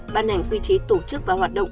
ban hành quy chế tổ chức và hoạt động